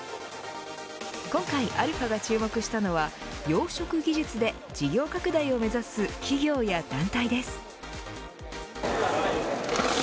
今回αが注目したのは養殖技術で事業拡大を目指す企業や団体です。